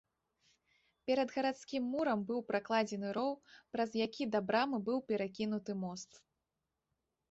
Перад гарадскім мурам быў пракладзены роў, праз які да брамы быў перакінуты мост.